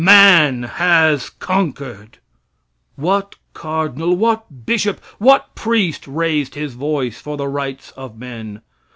Man has conquered! What cardinal, what bishop, what priest raised his voice for the rights of men?